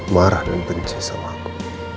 marah dan teriksa sama aku